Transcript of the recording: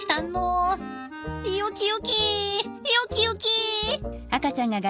よきよきよきよき！